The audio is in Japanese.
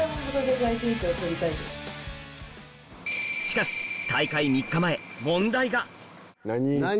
しかし大会３日前問題が何？